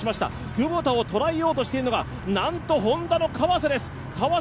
窪田を捉えようとしているのがなんとＨｏｎｄａの川瀬です。